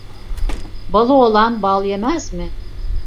Balı olan bal yemez mi?